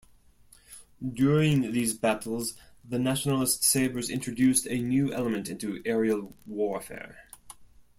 During these battles, the Nationalist Sabres introduced a new element into aerial warfare.